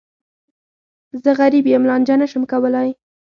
زه غریب یم، لانجه نه شم کولای.